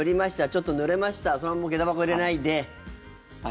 ちょっとぬれましたそのまま下駄箱入れないで。